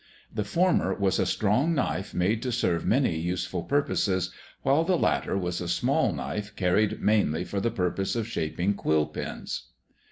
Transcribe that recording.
The former was a strong knife made to serve many useful purposes, while the latter was a small knife carried mainly for the purpose of shaping quill pens.